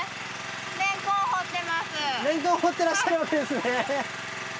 れんこん掘ってらっしゃるわけですね。